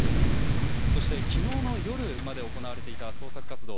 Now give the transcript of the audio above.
そして、昨日の夜まで行われていた捜索活動